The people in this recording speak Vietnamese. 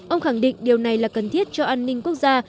ông khẳng định điều này là cần thiết cho an ninh quốc gia